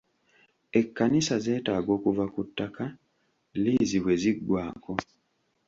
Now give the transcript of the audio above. Ekkanisa zeetaaga okuva ku ttaka liizi bwe ziggwako.